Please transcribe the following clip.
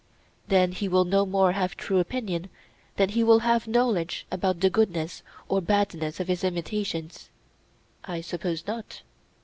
Then he will no more have true opinion than he will have knowledge about the goodness or badness of his imitations? I suppose not.